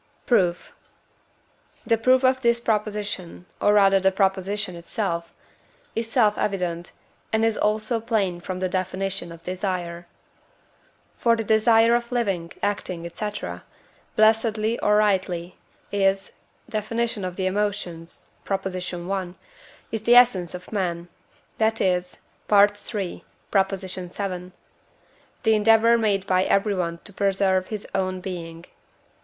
Proof. The proof of this proposition, or rather the proposition itself, is self evident, and is also plain from the definition of desire. For the desire of living, acting, &c., blessedly or rightly, is (Def. of the Emotions, i.) the essence of man that is (III. vii.), the endeavour made by everyone to preserve his own being.